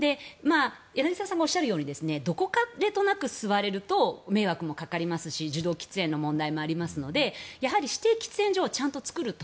柳澤さんがおっしゃるようにどこでも吸われると迷惑ですし受動喫煙の問題もありますがやはり指定喫煙所は作ると。